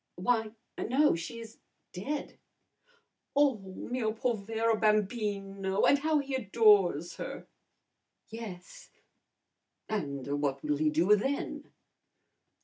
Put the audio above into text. "Why, no! She is dead!" "Oh, mio povero bambino! And how he adores her!" "Yes." "And what will he do then?"